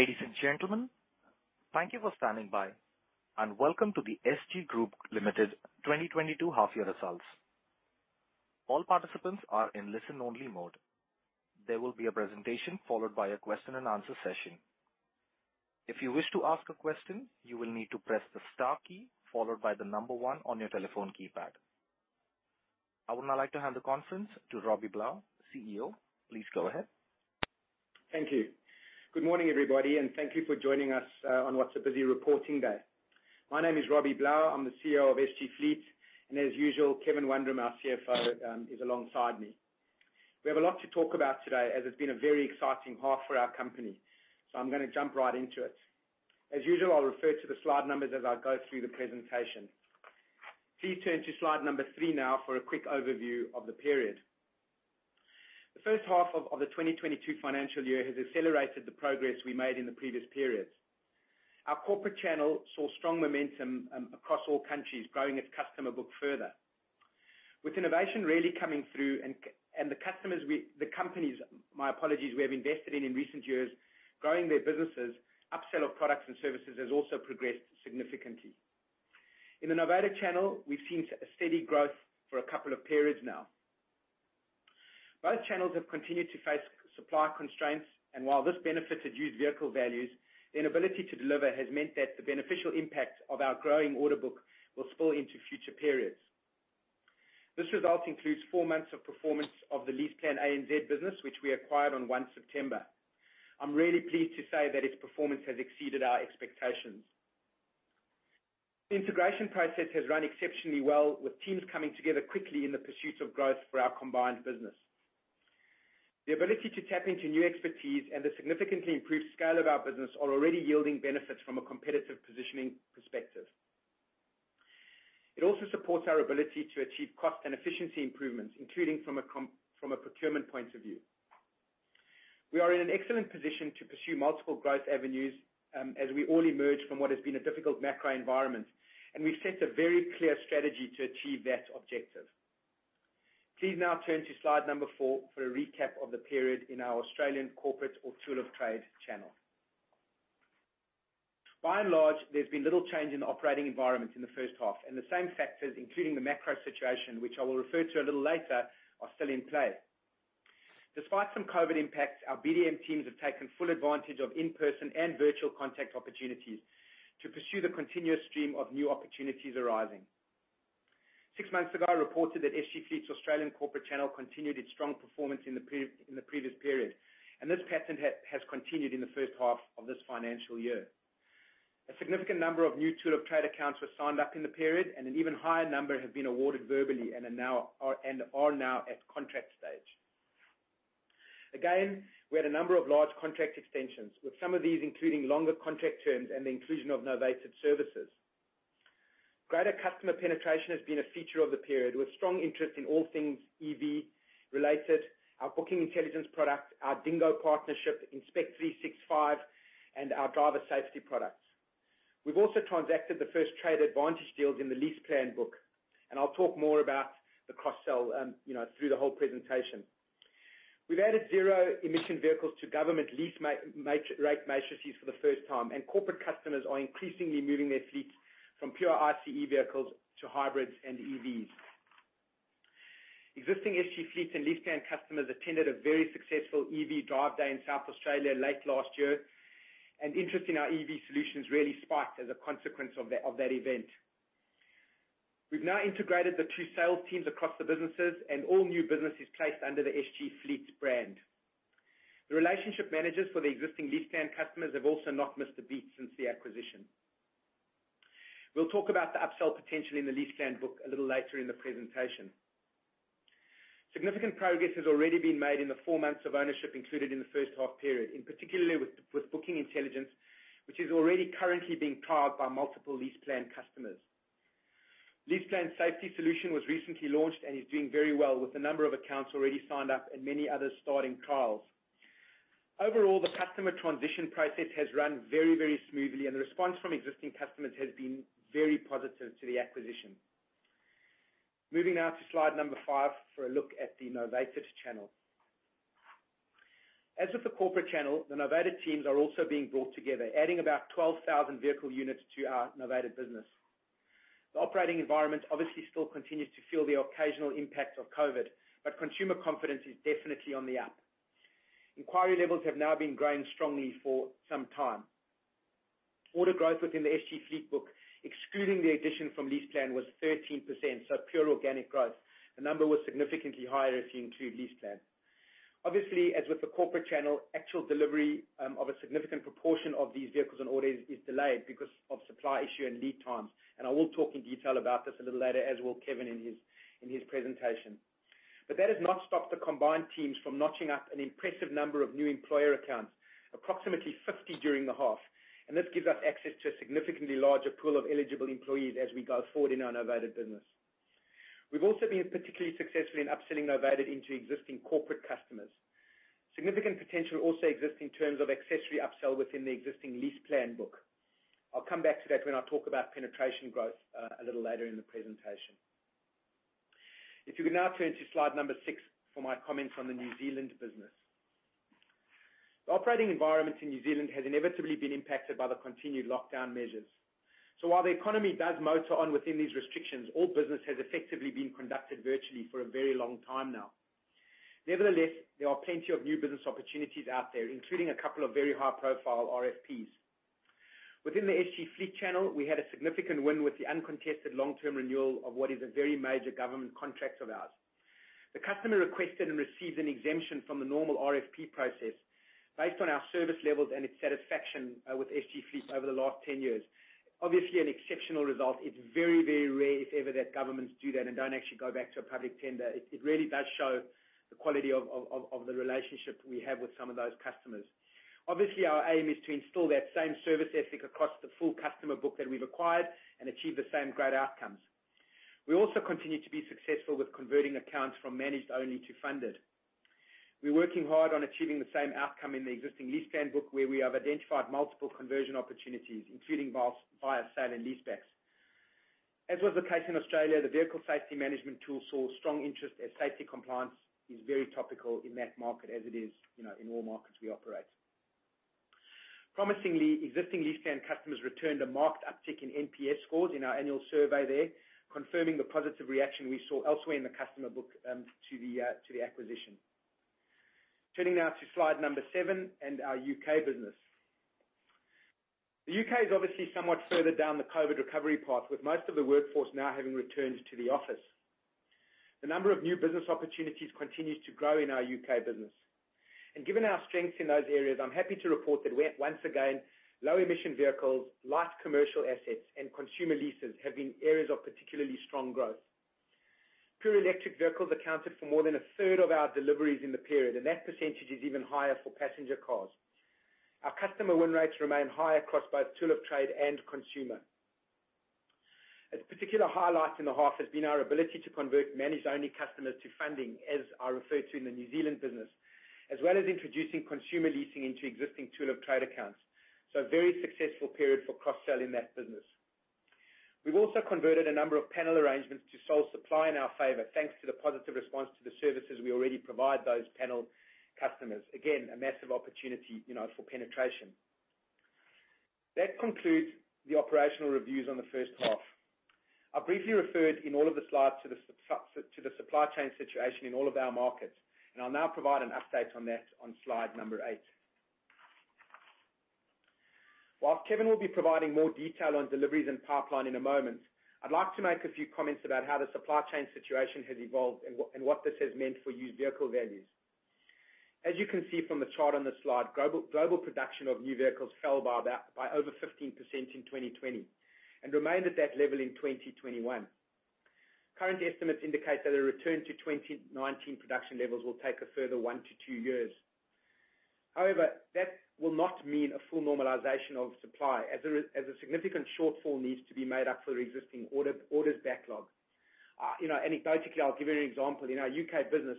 Ladies and gentlemen, thank you for standing by, and welcome to the SG Fleet Group Limited 2022 half-year results. All participants are in listen-only mode. There will be a presentation followed by a question and answer session. If you wish to ask a question, you will need to press the star key followed by the number one on your telephone keypad. I would now like to hand the conference to Robbie Blau, CEO. Please go ahead. Thank you. Good morning, everybody, and thank you for joining us on what's a busy reporting day. My name is Robbie Blau. I'm the CEO of SG Fleet. As usual, Kevin Wundram, our CFO, is alongside me. We have a lot to talk about today as it's been a very exciting half for our company, so I'm gonna jump right into it. As usual, I'll refer to the slide numbers as I go through the presentation. Please turn to slide number three now for a quick overview of the period. The first half of the 2022 financial year has accelerated the progress we made in the previous periods. Our corporate channel saw strong momentum across all countries, growing its customer book further. With innovation really coming through and the companies, my apologies, we have invested in recent years, growing their businesses, upsell of products and services has also progressed significantly. In the Novated channel, we've seen steady growth for a couple of periods now. Both channels have continued to face supply constraints, and while this benefited used vehicle values, the inability to deliver has meant that the beneficial impact of our growing order book will spill into future periods. This result includes four months of performance of the LeasePlan ANZ business, which we acquired on 1 September. I'm really pleased to say that its performance has exceeded our expectations. The integration process has run exceptionally well, with teams coming together quickly in the pursuit of growth for our combined business. The ability to tap into new expertise and the significantly improved scale of our business are already yielding benefits from a competitive positioning perspective. It also supports our ability to achieve cost and efficiency improvements, including from a procurement point of view. We are in an excellent position to pursue multiple growth avenues, as we all emerge from what has been a difficult macro environment, and we've set a very clear strategy to achieve that objective. Please now turn to slide number four for a recap of the period in our Australian corporate or tool of trade channel. By and large, there's been little change in the operating environment in the first half, and the same factors, including the macro situation, which I will refer to a little later, are still in play. Despite some COVID impacts, our BDM teams have taken full advantage of in-person and virtual contact opportunities to pursue the continuous stream of new opportunities arising. Six months ago, I reported that SG Fleet's Australian corporate channel continued its strong performance in the previous period, and this pattern has continued in the first half of this financial year. A significant number of new tool of trade accounts were signed up in the period, and an even higher number have been awarded verbally and are now at contract stage. Again, we had a number of large contract extensions, with some of these including longer contract terms and the inclusion of Novated services. Greater customer penetration has been a feature of the period with strong interest in all things EV related, our Bookingintelligence product, our DingGo partnership, Inspect365, and our driver safety products. We've also transacted the first Trade Advantage deal in the LeasePlan book, and I'll talk more about the cross-sell, you know, through the whole presentation. We've added zero emission vehicles to government lease matrices for the first time, and corporate customers are increasingly moving their fleets from pure ICE vehicles to hybrids and EVs. Existing SG Fleet and LeasePlan customers attended a very successful EV drive day in South Australia late last year, and interest in our EV solutions really spiked as a consequence of that event. We've now integrated the two sales teams across the businesses and all new businesses placed under the SG Fleet brand. The relationship managers for the existing LeasePlan customers have also not missed a beat since the acquisition. We'll talk about the upsell potential in the LeasePlan book a little later in the presentation. Significant progress has already been made in the four months of ownership included in the first half period, in particular with bookingintelligence, which is already currently being trialed by multiple LeasePlan customers. LeasePlan Safety Solution was recently launched and is doing very well with a number of accounts already signed up and many others starting trials. Overall, the customer transition process has run very smoothly, and the response from existing customers has been very positive to the acquisition. Moving now to slide number five for a look at the Novated channel. As with the corporate channel, the Novated teams are also being brought together, adding about 12,000 vehicle units to our Novated business. The operating environment obviously still continues to feel the occasional impact of COVID-19, but consumer confidence is definitely on the up. Inquiry levels have now been growing strongly for some time. Order growth within the SG Fleet book, excluding the addition from LeasePlan, was 13%, so pure organic growth. The number was significantly higher if you include LeasePlan. Obviously, as with the corporate channel, actual delivery of a significant proportion of these vehicles and orders is delayed because of supply issue and lead times. I will talk in detail about this a little later, as will Kevin in his presentation. That has not stopped the combined teams from notching up an impressive number of new employer accounts, approximately 50 during the half. This gives us access to a significantly larger pool of eligible employees as we go forward in our Novated business. We've also been particularly successful in upselling Novated into existing corporate customers. Significant potential also exists in terms of accessory upsell within the existing LeasePlan book. I'll come back to that when I talk about penetration growth, a little later in the presentation. If you can now turn to slide number six for my comments on the New Zealand business. The operating environment in New Zealand has inevitably been impacted by the continued lockdown measures. While the economy does motor on within these restrictions, all business has effectively been conducted virtually for a very long time now. Nevertheless, there are plenty of new business opportunities out there, including a couple of very high-profile RFPs. Within the SG Fleet channel, we had a significant win with the uncontested long-term renewal of what is a very major government contract of ours. The customer requested and received an exemption from the normal RFP process based on our service levels and its satisfaction with SG Fleet over the last 10 years. Obviously, an exceptional result. It's very, very rare, if ever, that governments do that and don't actually go back to a public tender. It really does show the quality of the relationship we have with some of those customers. Obviously, our aim is to install that same service ethic across the full customer book that we've acquired and achieve the same great outcomes. We also continue to be successful with converting accounts from managed only to funded. We're working hard on achieving the same outcome in the existing LeasePlan book, where we have identified multiple conversion opportunities, including via sale and leasebacks. As was the case in Australia, the vehicle safety management tool saw strong interest as safety compliance is very topical in that market, as it is, you know, in all markets we operate. Promisingly, existing LeasePlan customers returned a marked uptick in NPS scores in our annual survey there, confirming the positive reaction we saw elsewhere in the customer book to the acquisition. Turning now to slide seven and our U.K. business. The U.K. is obviously somewhat further down the COVID recovery path, with most of the workforce now having returned to the office. The number of new business opportunities continues to grow in our U.K. business. Given our strength in those areas, I'm happy to report that once again, low-emission vehicles, large commercial assets, and consumer leases have been areas of particularly strong growth. Pure electric vehicles accounted for more than 1/3 of our deliveries in the period, and that percentage is even higher for passenger cars. Our customer win rates remain high across both tool of trade and consumer. A particular highlight in the half has been our ability to convert manage-only customers to funding, as I referred to in the New Zealand business, as well as introducing consumer leasing into existing tool of trade accounts. A very successful period for cross-sell in that business. We've also converted a number of panel arrangements to sole supply in our favor, thanks to the positive response to the services we already provide those panel customers. Again, a massive opportunity, you know, for penetration. That concludes the operational reviews on the first half. I briefly referred in all of the slides to the supply chain situation in all of our markets, and I'll now provide an update on that on slide number eight. While Kevin will be providing more detail on deliveries and pipeline in a moment, I'd like to make a few comments about how the supply chain situation has evolved and what this has meant for used vehicle values. As you can see from the chart on the slide, global production of new vehicles fell by over 15% in 2020 and remained at that level in 2021. Current estimates indicate that a return to 2019 production levels will take a further 1-2 years. However, that will not mean a full normalization of supply, as a significant shortfall needs to be made up for existing orders backlog. You know, anecdotally, I'll give you an example. In our U.K. business,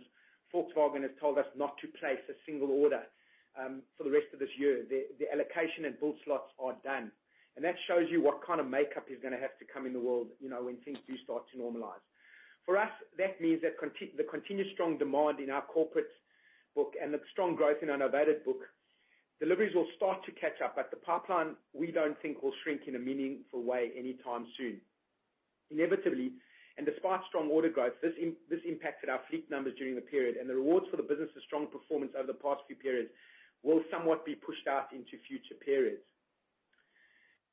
Volkswagen has told us not to place a single order for the rest of this year. The allocation and build slots are done. That shows you what kind of makeup is gonna have to come in the world, you know, when things do start to normalize. For us, that means that the continued strong demand in our corporate book and the strong growth in our Novated book, deliveries will start to catch up. The pipeline, we don't think will shrink in a meaningful way anytime soon. Inevitably, despite strong order growth, this impacted our fleet numbers during the period, and the rewards for the business' strong performance over the past few periods will somewhat be pushed out into future periods.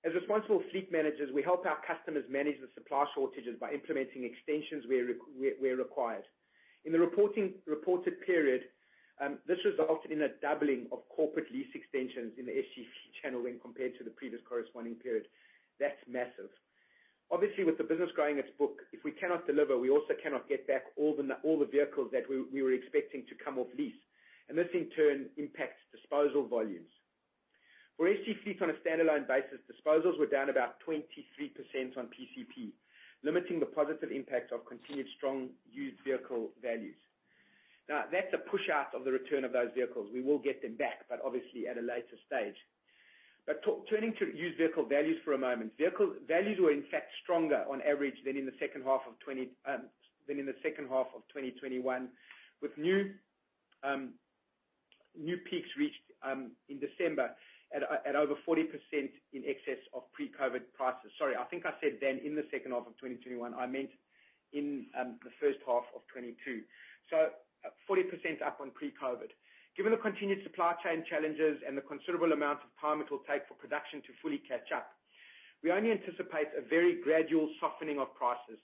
As responsible fleet managers, we help our customers manage the supply shortages by implementing extensions where required. In the reported period, this resulted in a doubling of corporate lease extensions in the SG channel when compared to the previous corresponding period. That's massive. Obviously, with the business growing its book, if we cannot deliver, we also cannot get back all the vehicles that we were expecting to come off lease. This, in turn, impacts disposal volumes. For SG Fleet on a standalone basis, disposals were down about 23% on PCP, limiting the positive impact of continued strong used vehicle values. Now, that's a pushout of the return of those vehicles. We will get them back, but obviously at a later stage. Turning to used vehicle values for a moment. Vehicle values were, in fact, stronger on average than in the second half of 2022, with new peaks reached in December at over 40% in excess of pre-COVID prices. Sorry, I think I said then, in the second half of 2021. I meant in the first half of 2022. 40% up on pre-COVID. Given the continued supply chain challenges and the considerable amount of time it will take for production to fully catch up, we only anticipate a very gradual softening of prices,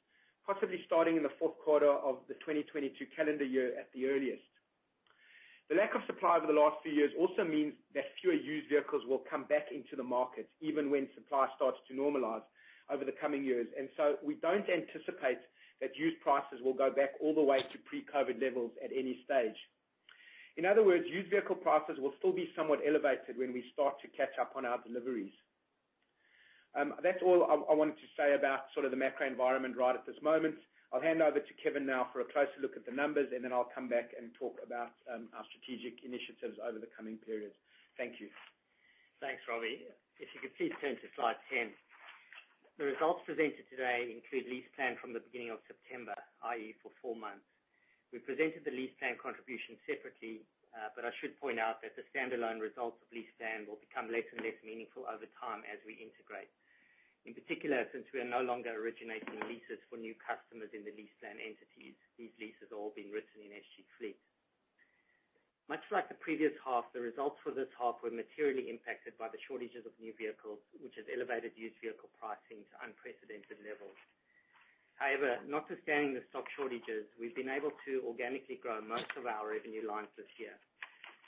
possibly starting in the fourth quarter of the 2022 calendar year at the earliest. The lack of supply over the last few years also means that fewer used vehicles will come back into the market, even when supply starts to normalize over the coming years. We don't anticipate that used prices will go back all the way to pre-COVID-19 levels at any stage. In other words, used vehicle prices will still be somewhat elevated when we start to catch up on our deliveries. That's all I wanted to say about sort of the macro environment right at this moment. I'll hand over to Kevin now for a closer look at the numbers, and then I'll come back and talk about our strategic initiatives over the coming periods. Thank you. Thanks, Robbie. If you could please turn to slide 10. The results presented today include LeasePlan from the beginning of September, i.e., for four months. We presented the LeasePlan contribution separately, but I should point out that the standalone results of LeasePlan will become less and less meaningful over time as we integrate. In particular, since we are no longer originating leases for new customers in the LeasePlan entities, these leases are all being written in SG Fleet. Much like the previous half, the results for this half were materially impacted by the shortages of new vehicles, which has elevated used vehicle pricing to unprecedented levels. However, notwithstanding the stock shortages, we've been able to organically grow most of our revenue lines this year.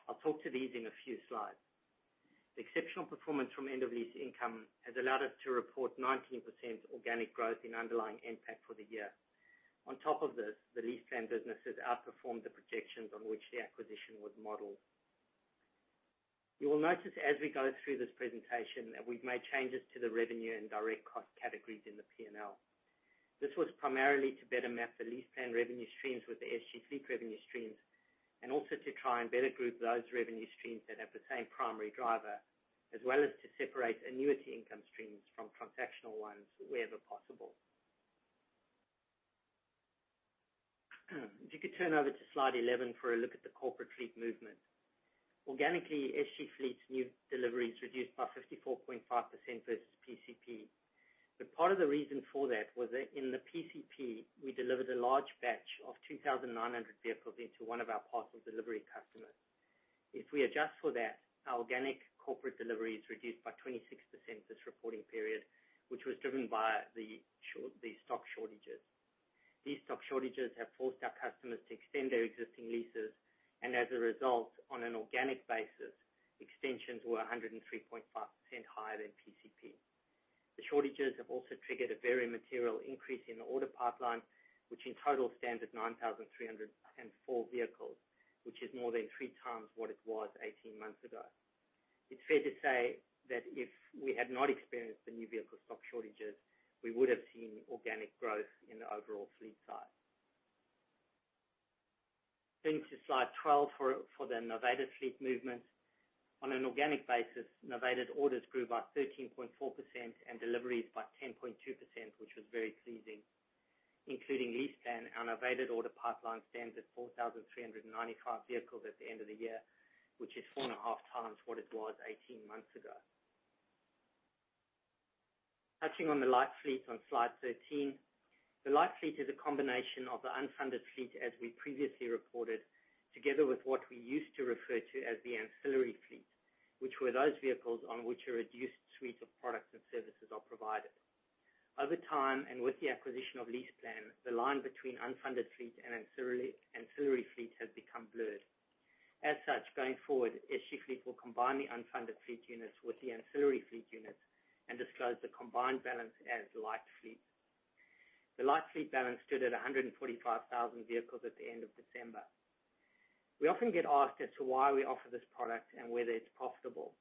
I'll talk to these in a few slides. Exceptional performance from end of lease income has allowed us to report 19% organic growth in underlying NPAT for the year. On top of this, the LeasePlan businesses outperformed the projections on which the acquisition was modeled. You will notice as we go through this presentation that we've made changes to the revenue and direct cost categories in the P&L. This was primarily to better map the LeasePlan revenue streams with the SG Fleet revenue streams, and also to try and better group those revenue streams that have the same primary driver, as well as to separate annuity income streams from transactional ones wherever possible. If you could turn over to slide 11 for a look at the corporate fleet movement. Organically, SG Fleet's new deliveries reduced by 54.5% versus PCP. Part of the reason for that was that in the PCP, we delivered a large batch of 2,900 vehicles into one of our parcel delivery customers. If we adjust for that, our organic corporate delivery is reduced by 26% this reporting period, which was driven by the stock shortages. These stock shortages have forced our customers to extend their existing leases, and as a result, on an organic basis, extensions were 103.5% higher than PCP. The shortages have also triggered a very material increase in the order pipeline, which in total stands at 9,304 vehicles, which is more than 3x what it was 18 months ago. It's fair to say that if we had not experienced the new vehicle stock shortages, we would have seen organic growth in the overall fleet size. Turning to slide 12 for the Novated Fleet movement. On an organic basis, Novated orders grew by 13.4% and deliveries by 10.2%, which was very pleasing. Including LeasePlan, our Novated order pipeline stands at 4,395 vehicles at the end of the year, which is 4.5x what it was 18 months ago. Touching on the Lite Fleet on slide 13. The Lite Fleet is a combination of the unfunded fleet as we previously reported, together with what we used to refer to as the Ancillary Fleet, which were those vehicles on which a reduced suite of products and services are provided. Over time, and with the acquisition of LeasePlan, the line between unfunded fleet and Ancillary Fleet has become blurred. As such, going forward, SG Fleet will combine the unfunded fleet units with the Ancillary Fleet units and disclose the combined balance as Lite Fleet. The Lite Fleet balance stood at 145,000 vehicles at the end of December. We often get asked as to why we offer this product and whether it's profitable.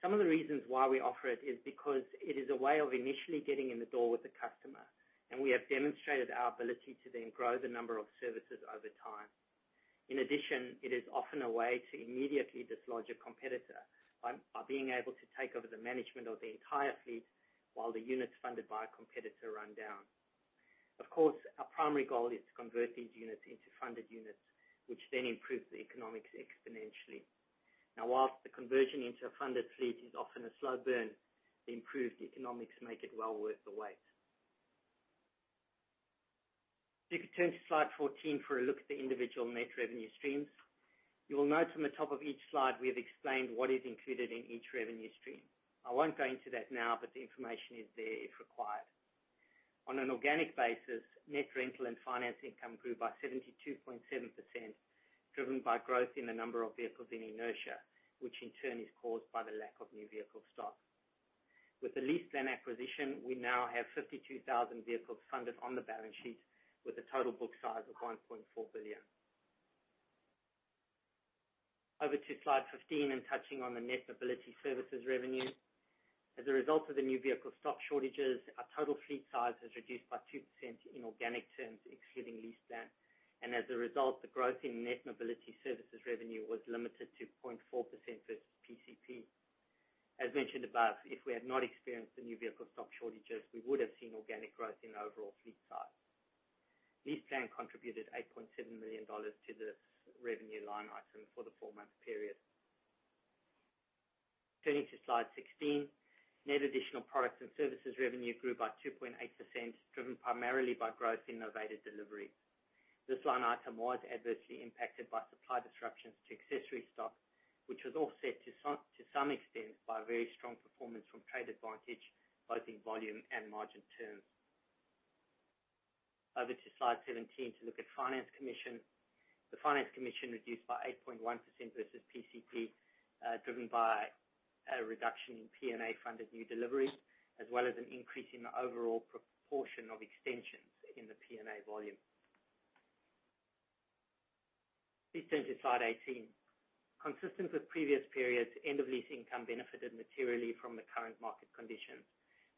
Some of the reasons why we offer it is because it is a way of initially getting in the door with the customer, and we have demonstrated our ability to then grow the number of services over time. In addition, it is often a way to immediately dislodge a competitor by being able to take over the management of the entire fleet while the units funded by a competitor run down. Of course, our primary goal is to convert these units into funded units, which then improves the economics exponentially. Now, while the conversion into a funded fleet is often a slow burn, the improved economics make it well worth the wait. If you could turn to slide 14 for a look at the individual net revenue streams. You will note from the top of each slide, we have explained what is included in each revenue stream. I won't go into that now, but the information is there if required. On an organic basis, net rental and finance income grew by 72.7%, driven by growth in the number of vehicles in fleet, which in turn is caused by the lack of new vehicle stock. With the LeasePlan acquisition, we now have 52,000 vehicles funded on the balance sheet with a total book size of 1.4 billion. Over to slide 15, touching on the net mobility services revenue. As a result of the new vehicle stock shortages, our total fleet size has reduced by 2% in organic terms, excluding LeasePlan. As a result, the growth in net mobility services revenue was limited to 0.4% versus PCP. As mentioned above, if we had not experienced the new vehicle stock shortages, we would have seen organic growth in the overall fleet size. LeasePlan contributed 8.7 million dollars to this revenue line item for the four-month period. Turning to slide 16. Net additional products and services revenue grew by 2.8%, driven primarily by growth in Novated Delivery. This line item was adversely impacted by supply disruptions to accessory stock, which was offset to some extent by very strong performance from Trade Advantage, both in volume and margin terms. Over to slide 17 to look at finance commission. The finance commission reduced by 8.1% versus PCP, driven by a reduction in P&A funded new deliveries, as well as an increase in the overall proportion of extensions in the P&A volume. Please turn to slide 18. Consistent with previous periods, end of lease income benefited materially from the current market conditions,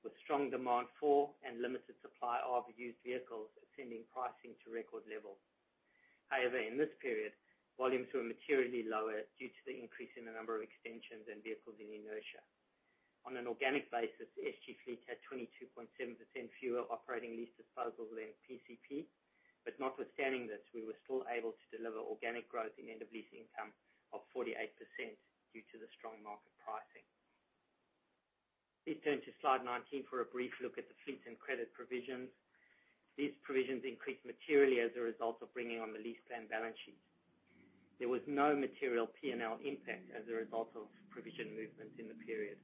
with strong demand for and limited supply of used vehicles sending pricing to record levels. However, in this period, volumes were materially lower due to the increase in the number of extensions and vehicles in inertia. On an organic basis, SG Fleet had 22.7% fewer operating lease disposals than PCP. Notwithstanding this, we were still able to deliver organic growth in end of lease income of 48% due to the strong market pricing. Please turn to slide 19 for a brief look at the fleet and credit provisions. These provisions increased materially as a result of bringing on the LeasePlan balance sheet. There was no material P&L impact as a result of provision movements in the period.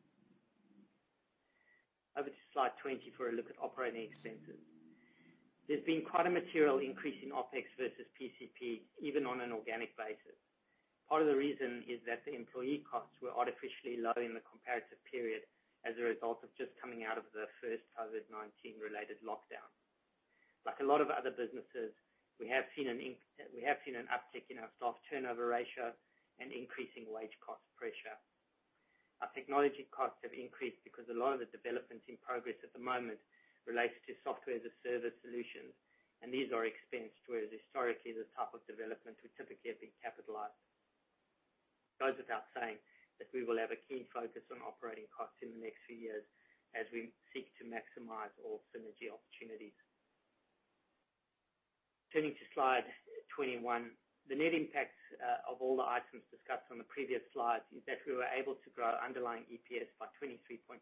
Over to slide 20 for a look at operating expenses. There's been quite a material increase in OpEx versus PCP, even on an organic basis. Part of the reason is that the employee costs were artificially low in the comparative period as a result of just coming out of the first COVID-19 related lockdown. Like a lot of other businesses, we have seen an uptick in our staff turnover ratio and increasing wage cost pressure. Our technology costs have increased because a lot of the developments in progress at the moment relates to software as a service solution, and these are expensed, whereas historically the type of development would typically have been capitalized. It goes without saying that we will have a keen focus on operating costs in the next few years as we seek to maximize all synergy opportunities. Turning to slide 21. The net impact of all the items discussed on the previous slide is that we were able to grow underlying EPS by 23.5%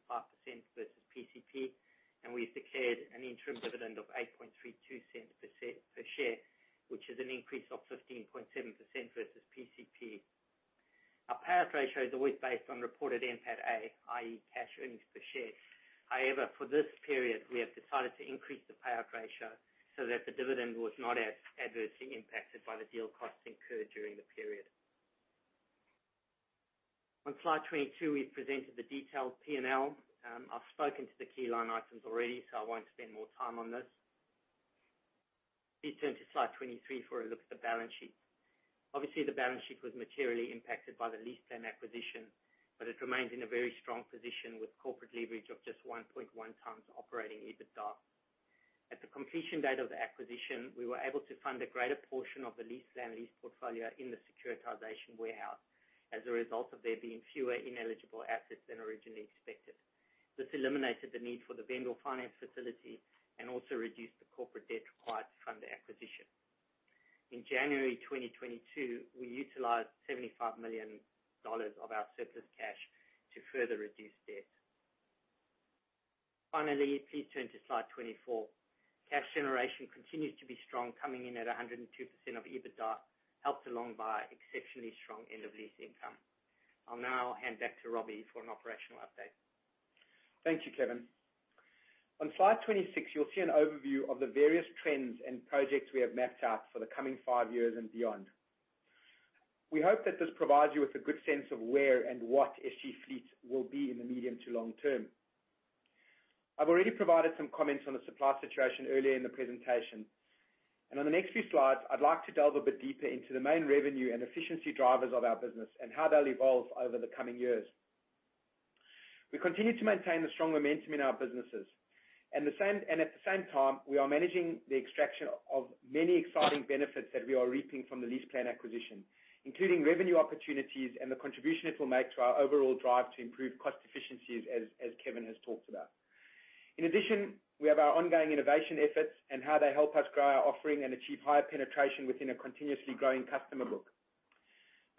versus PCP, and we secured an interim dividend of 0.0832 per share, which is an increase of 15.7% versus PCP. Our payout ratio is always based on reported NPATA, i.e. cash earnings per share. However, for this period, we have decided to increase the payout ratio so that the dividend was not as adversely impacted by the deal costs incurred during the period. On slide 22, we presented the detailed P&L. I've spoken to the key line items already, so I won't spend more time on this. Please turn to slide 23 for a look at the balance sheet. Obviously, the balance sheet was materially impacted by the LeasePlan acquisition, but it remains in a very strong position with corporate leverage of just 1.1x operating EBITDA. At the completion date of the acquisition, we were able to fund a greater portion of the LeasePlan lease portfolio in the securitization warehouse as a result of there being fewer ineligible assets than originally expected. This eliminated the need for the vendor finance facility and also reduced the corporate debt required to fund the acquisition. In January 2022, we utilized 75 million dollars of our surplus cash to further reduce debt. Finally, please turn to slide 24. Cash generation continues to be strong, coming in at 102% of EBITDA, helped along by exceptionally strong end of lease income. I'll now hand back to Robbie for an operational update. Thank you, Kevin. On slide 26, you'll see an overview of the various trends and projects we have mapped out for the coming five years and beyond. We hope that this provides you with a good sense of where and what SG Fleet will be in the medium to long term. I've already provided some comments on the supply situation earlier in the presentation. On the next few slides, I'd like to delve a bit deeper into the main revenue and efficiency drivers of our business and how they'll evolve over the coming years. We continue to maintain the strong momentum in our businesses. At the same time, we are managing the extraction of many exciting benefits that we are reaping from the LeasePlan acquisition, including revenue opportunities and the contribution it will make to our overall drive to improve cost efficiencies, as Kevin has talked about. In addition, we have our ongoing innovation efforts and how they help us grow our offering and achieve higher penetration within a continuously growing customer book.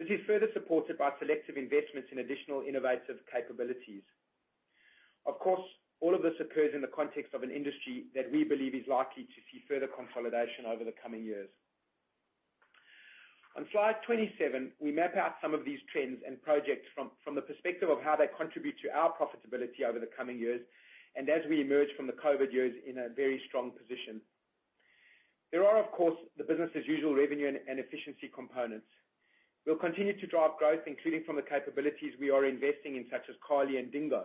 This is further supported by selective investments in additional innovative capabilities. Of course, all of this occurs in the context of an industry that we believe is likely to see further consolidation over the coming years. On slide 27, we map out some of these trends and projects from the perspective of how they contribute to our profitability over the coming years and as we emerge from the COVID years in a very strong position. There are, of course, the business as usual revenue and efficiency components. We'll continue to drive growth, including from the capabilities we are investing in, such as Carly and DingGo.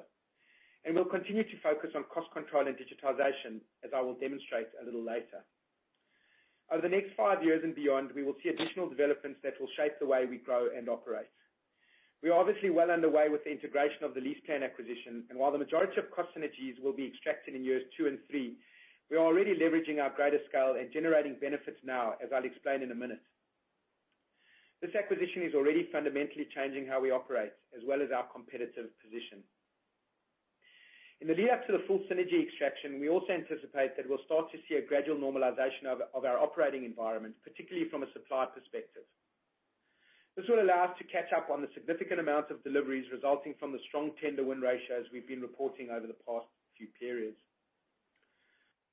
We'll continue to focus on cost control and digitization, as I will demonstrate a little later. Over the next five years and beyond, we will see additional developments that will shape the way we grow and operate. We are obviously well underway with the integration of the LeasePlan acquisition, and while the majority of cost synergies will be extracted in years two and three, we are already leveraging our greater scale and generating benefits now, as I'll explain in a minute. This acquisition is already fundamentally changing how we operate as well as our competitive position. In the lead up to the full synergy extraction, we also anticipate that we'll start to see a gradual normalization of our operating environment, particularly from a supply perspective. This will allow us to catch up on the significant amount of deliveries resulting from the strong tender win ratios we've been reporting over the past few periods.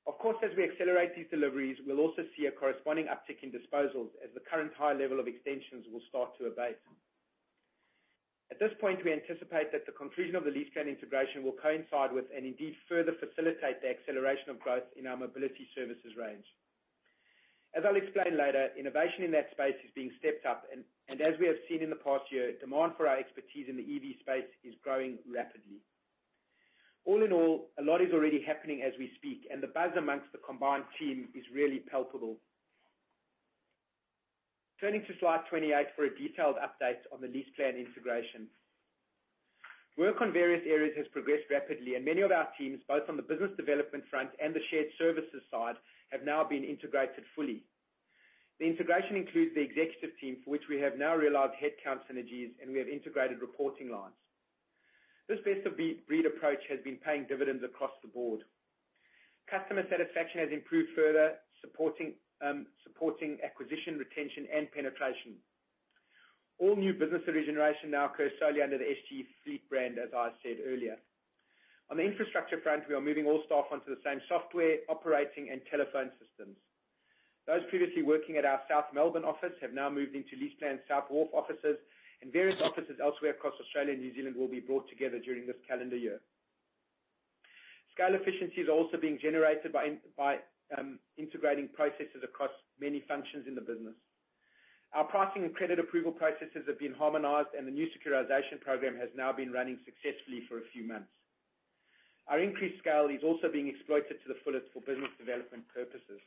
Of course, as we accelerate these deliveries, we'll also see a corresponding uptick in disposals as the current high level of extensions will start to abate. At this point, we anticipate that the conclusion of the LeasePlan integration will coincide with, and indeed further facilitate the acceleration of growth in our mobility services range. As I'll explain later, innovation in that space is being stepped up and as we have seen in the past year, demand for our expertise in the EV space is growing rapidly. All in all, a lot is already happening as we speak, and the buzz among the combined team is really palpable. Turning to slide 28 for a detailed update on the LeasePlan integration. Work on various areas has progressed rapidly, and many of our teams, both on the business development front and the shared services side, have now been integrated fully. The integration includes the executive team, for which we have now realized headcount synergies, and we have integrated reporting lines. This best-of-breed approach has been paying dividends across the board. Customer satisfaction has improved further, supporting acquisition, retention, and penetration. All new business regeneration now occurs solely under the SG Fleet brand, as I said earlier. On the infrastructure front, we are moving all staff onto the same software, operating, and telephone systems. Those previously working at our South Melbourne office have now moved into LeasePlan's South Wharf offices, and various offices elsewhere across Australia and New Zealand will be brought together during this calendar year. Scale efficiency is also being generated by integrating processes across many functions in the business. Our pricing and credit approval processes have been harmonized, and the new securitization program has now been running successfully for a few months. Our increased scale is also being exploited to the fullest for business development purposes.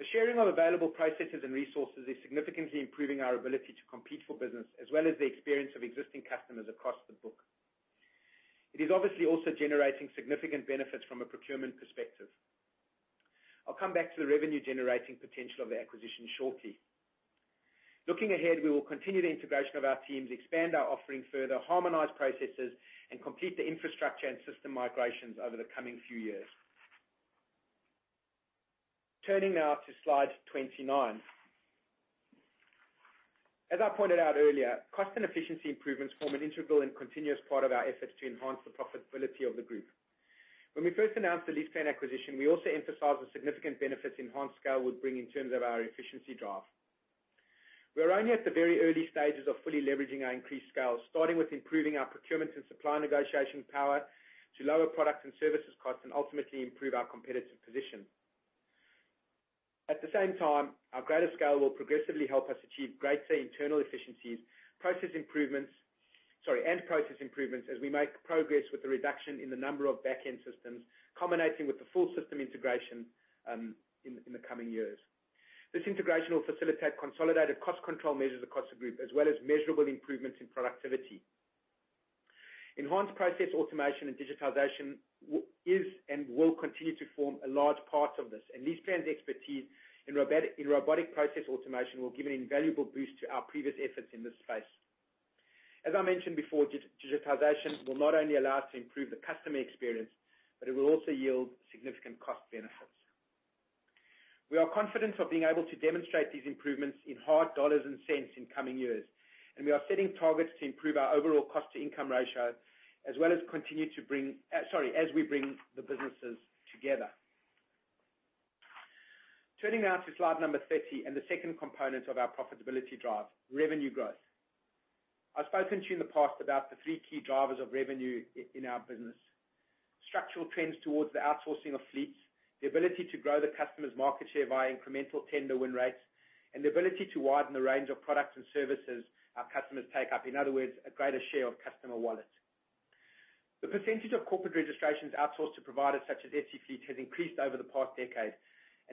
The sharing of available processes and resources is significantly improving our ability to compete for business, as well as the experience of existing customers across the book. It is obviously also generating significant benefits from a procurement perspective. I'll come back to the revenue-generating potential of the acquisition shortly. Looking ahead, we will continue the integration of our teams, expand our offering further, harmonize processes, and complete the infrastructure and system migrations over the coming few years. Turning now to slide 29. As I pointed out earlier, cost and efficiency improvements form an integral and continuous part of our efforts to enhance the profitability of the group. When we first announced the LeasePlan acquisition, we also emphasized the significant benefits enhanced scale would bring in terms of our efficiency drive. We are only at the very early stages of fully leveraging our increased scale, starting with improving our procurement and supply negotiation power to lower product and services costs, and ultimately improve our competitive position. At the same time, our greater scale will progressively help us achieve greater internal efficiencies, process improvements. Sorry, process improvements as we make progress with the reduction in the number of back-end systems, culminating with the full system integration in the coming years. This integration will facilitate consolidated cost control measures across the group as well as measurable improvements in productivity. Enhanced process automation and digitalization is and will continue to form a large part of this, and LeasePlan's expertise in robotic process automation will give an invaluable boost to our previous efforts in this space. As I mentioned before, digitization will not only allow us to improve the customer experience, but it will also yield significant cost benefits. We are confident of being able to demonstrate these improvements in hard dollars and cents in coming years, and we are setting targets to improve our overall cost-to-income ratio, as well as continue to bring as we bring the businesses together. Turning now to slide number 30 and the second component of our profitability drive: revenue growth. I've spoken to you in the past about the three key drivers of revenue in our business, structural trends towards the outsourcing of fleets, the ability to grow the customer's market share via incremental tender win rates, and the ability to widen the range of products and services our customers take up, in other words, a greater share of customer wallet. The percentage of corporate registrations outsourced to providers such as SG Fleet has increased over the past decade.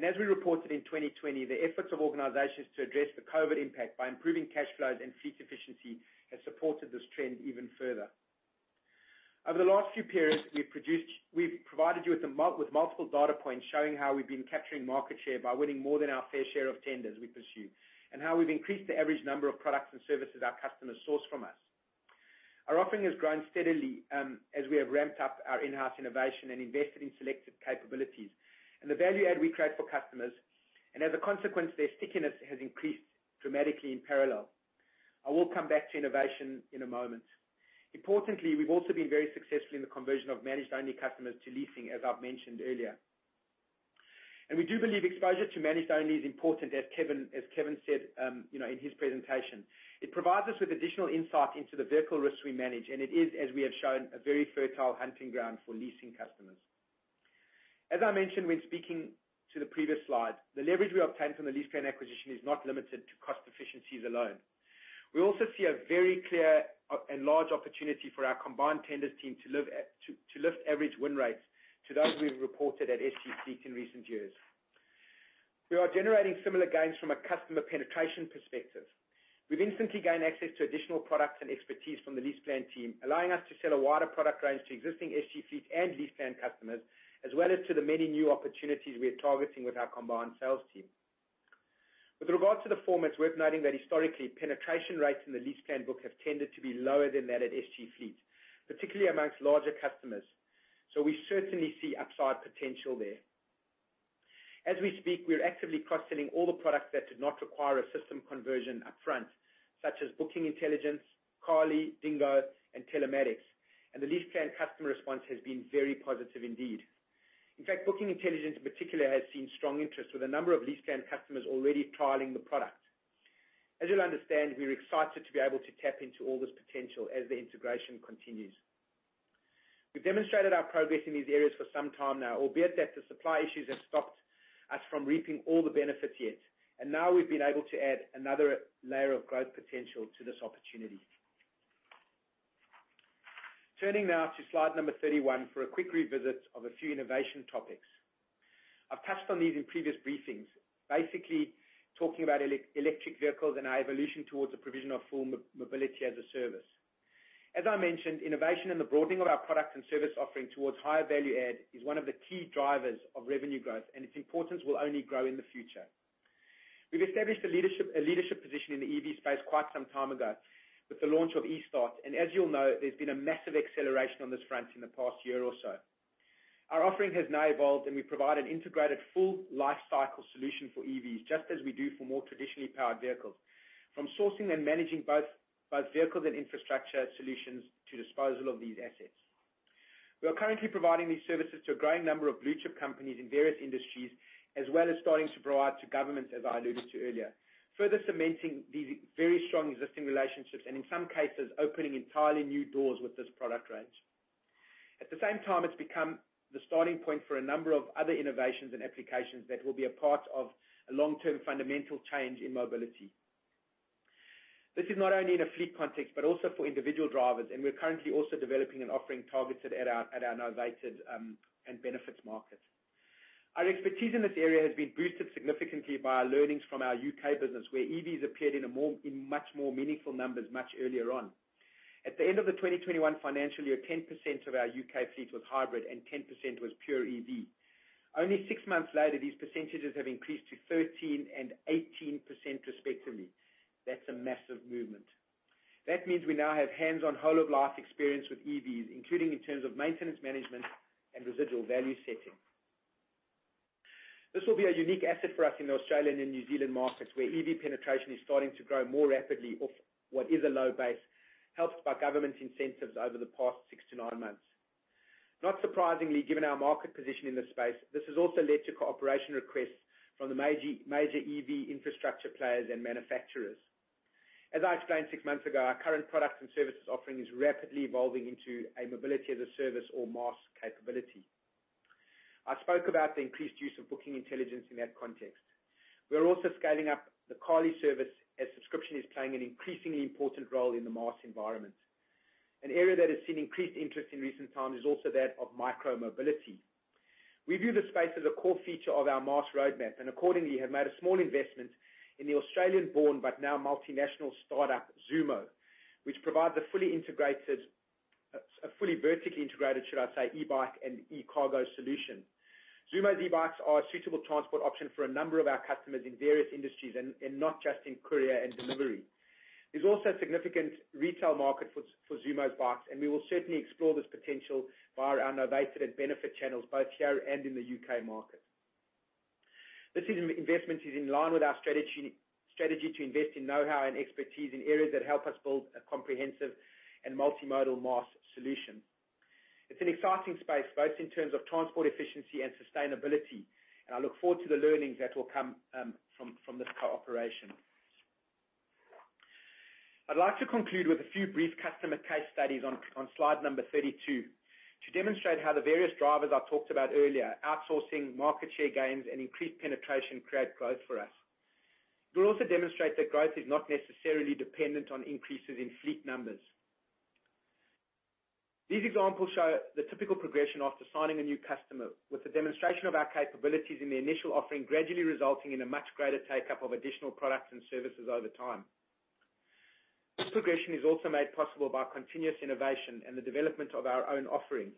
As we reported in 2020, the efforts of organizations to address the COVID-19 impact by improving cash flows and fleet efficiency has supported this trend even further. Over the last few periods, we've provided you with multiple data points showing how we've been capturing market share by winning more than our fair share of tenders we pursue and how we've increased the average number of products and services our customers source from us. Our offering has grown steadily, as we have ramped up our in-house innovation and invested in selective capabilities and the value add we create for customers. As a consequence, their stickiness has increased dramatically in parallel. I will come back to innovation in a moment. Importantly, we've also been very successful in the conversion of managed-only customers to leasing, as I've mentioned earlier. We do believe exposure to managed only is important, as Kevin said, you know, in his presentation. It provides us with additional insight into the vehicle risks we manage, and it is, as we have shown, a very fertile hunting ground for leasing customers. As I mentioned when speaking to the previous slide, the leverage we obtained from the LeasePlan acquisition is not limited to cost efficiencies alone. We also see a very clear and large opportunity for our combined tenders team to lift average win rates to those we've reported at SG Fleet in recent years. We are generating similar gains from a customer penetration perspective. We've instantly gained access to additional products and expertise from the LeasePlan team, allowing us to sell a wider product range to existing SG Fleet and LeasePlan customers, as well as to the many new opportunities we are targeting with our combined sales team. With regard to the formats, we're noting that historically, penetration rates in the LeasePlan book have tended to be lower than that at SG Fleet, particularly among larger customers. We certainly see upside potential there. As we speak, we're actively cross-selling all the products that did not require a system conversion upfront, such as bookingintelligence, Carly, DingGo, and Telematics, and the LeasePlan customer response has been very positive indeed. In fact, bookingintelligence in particular has seen strong interest with a number of LeasePlan customers already trialing the product. As you'll understand, we're excited to be able to tap into all this potential as the integration continues. We've demonstrated our progress in these areas for some time now, albeit that the supply issues have stopped us from reaping all the benefits yet, and now we've been able to add another layer of growth potential to this opportunity. Turning now to slide number 31 for a quick revisit of a few innovation topics. I've touched on these in previous briefings, basically talking about electric vehicles and our evolution towards the provision of full mobility as a service. As I mentioned, innovation and the broadening of our product and service offering towards higher value add is one of the key drivers of revenue growth, and its importance will only grow in the future. We've established a leadership position in the EV space quite some time ago with the launch of eStart. As you'll know, there's been a massive acceleration on this front in the past year or so. Our offering has now evolved, and we provide an integrated full lifecycle solution for EVs, just as we do for more traditionally powered vehicles. From sourcing and managing both vehicles and infrastructure solutions to disposal of these assets. We are currently providing these services to a growing number of blue-chip companies in various industries, as well as starting to provide to governments, as I alluded to earlier, further cementing these very strong existing relationships and in some cases opening entirely new doors with this product range. At the same time, it's become the starting point for a number of other innovations and applications that will be a part of a long-term fundamental change in mobility. This is not only in a fleet context but also for individual drivers, and we're currently also developing and offering targeted at our Novated and Benefits market. Our expertise in this area has been boosted significantly by our learnings from our U.K. business, where EVs appeared in much more meaningful numbers much earlier on. At the end of the 2021 financial year, 10% of our U.K. fleet was hybrid and 10% was pure EV. Only six months later, these percentages have increased to 13% and 18% respectively. That's a massive movement. That means we now have hands-on whole of life experience with EVs, including in terms of maintenance management and residual value setting. This will be a unique asset for us in the Australian and New Zealand markets, where EV penetration is starting to grow more rapidly off what is a low base, helped by government incentives over the past six to nine months. Not surprisingly, given our market position in this space, this has also led to cooperation requests from the major EV infrastructure players and manufacturers. As I explained six months ago, our current products and services offering is rapidly evolving into a mobility as a service or MaaS capability. I spoke about the increased use of booking intelligence in that context. We are also scaling up the Carly service as subscription is playing an increasingly important role in the MaaS environment. An area that has seen increased interest in recent times is also that of micro-mobility. We view this space as a core feature of our MaaS roadmap and accordingly have made a small investment in the Australian-born, but now multinational startup, Zoomo, which provides a fully vertically integrated e-bike and e-cargo solution. Zoomo's e-bikes are a suitable transport option for a number of our customers in various industries and not just in courier and delivery. There's also a significant retail market for Zoomo's bikes, and we will certainly explore this potential via our Novated and Benefit channels, both here and in the U.K. market. This investment is in line with our strategy to invest in know-how and expertise in areas that help us build a comprehensive and multimodal MaaS solution. It's an exciting space, both in terms of transport efficiency and sustainability, and I look forward to the learnings that will come from this cooperation. I'd like to conclude with a few brief customer case studies on slide number 32 to demonstrate how the various drivers I talked about earlier, outsourcing, market share gains, and increased penetration create growth for us. It will also demonstrate that growth is not necessarily dependent on increases in fleet numbers. These examples show the typical progression after signing a new customer, with the demonstration of our capabilities in the initial offering gradually resulting in a much greater take-up of additional products and services over time. This progression is also made possible by continuous innovation and the development of our own offerings.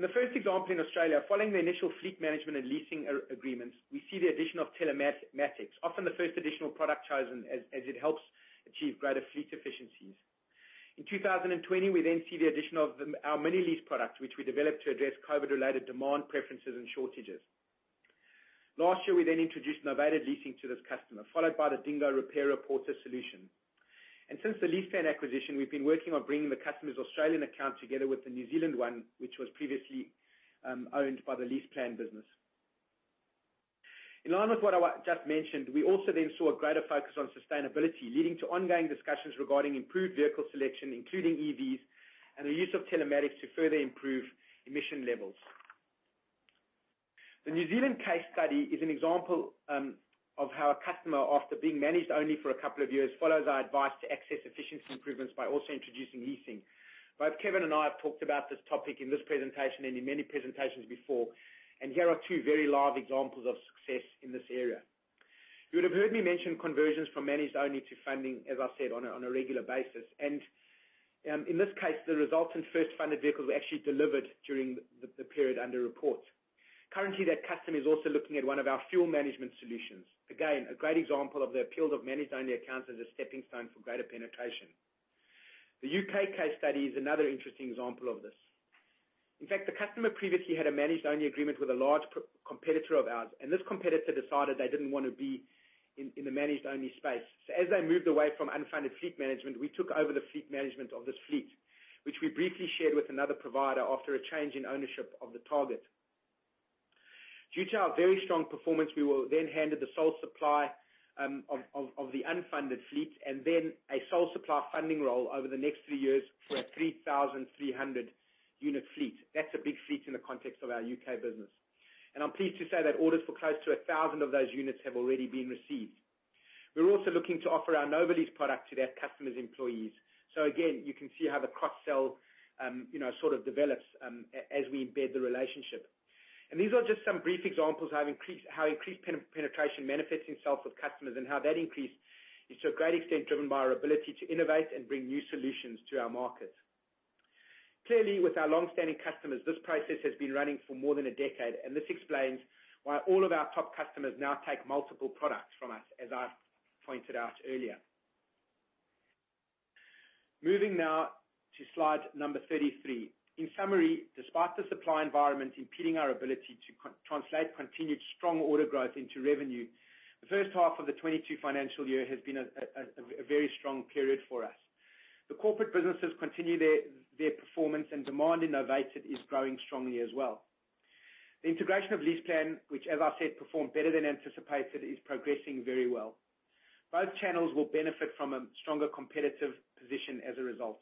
In the first example in Australia, following the initial fleet management and leasing agreements, we see the addition of Telematics, often the first additional product chosen as it helps achieve greater fleet efficiencies. In 2020, we then see the addition of our Mini-lease product, which we developed to address COVID-related demand, preferences, and shortages. Last year, we then introduced Novated Leasing to this customer, followed by the DingGo solution. Since the LeasePlan acquisition, we've been working on bringing the customer's Australian account together with the New Zealand one, which was previously owned by the LeasePlan business. In line with what I just mentioned, we also then saw a greater focus on sustainability, leading to ongoing discussions regarding improved vehicle selection, including EVs and the use of telematics to further improve emission levels. The New Zealand case study is an example of how a customer, after being managed only for a couple of years, follows our advice to access efficiency improvements by also introducing leasing. Both Kevin and I have talked about this topic in this presentation and in many presentations before, and here are two very live examples of success in this area. You would have heard me mention conversions from managed only to funding, as I said, on a regular basis. In this case, the resultant first funded vehicles were actually delivered during the period under report. Currently, that customer is also looking at one of our fuel management solutions. Again, a great example of the appeal of managed only accounts as a stepping stone for greater penetration. The U.K. case study is another interesting example of this. In fact, the customer previously had a managed only agreement with a large competitor of ours, and this competitor decided they didn't wanna be in the managed only space. As they moved away from unfunded fleet management, we took over the fleet management of this fleet, which we briefly shared with another provider after a change in ownership of the target. Due to our very strong performance, we were then handed the sole supply of the unfunded fleet and then a sole supply funding role over the next three years for a 3,300-unit fleet. That's a big fleet in the context of our U.K. business. I'm pleased to say that orders for close to 1,000 of those units have already been received. We're also looking to offer our Novated Lease product to that customer's employees. Again, you can see how the cross-sell you know sort of develops as we embed the relationship. These are just some brief examples of how increased penetration manifests itself with customers and how that increase is to a great extent driven by our ability to innovate and bring new solutions to our market. Clearly, with our long-standing customers, this process has been running for more than a decade, and this explains why all of our top customers now take multiple products from us, as I pointed out earlier. Moving now to slide number 33. In summary, despite the supply environment impeding our ability to convert continued strong order growth into revenue, the first half of the 2022 financial year has been a very strong period for us. The corporate businesses continue their performance, and demand in novated is growing strongly as well. The integration of LeasePlan, which as I said, performed better than anticipated, is progressing very well. Both channels will benefit from a stronger competitive position as a result.